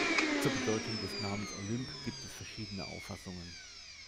Zur Bedeutung des Namens „Olymp“ gibt es verschiedene Auffassungen.